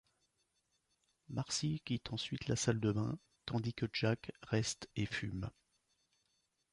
Marcie quitte ensuite la salle de bains, tandis que Jack reste et fume.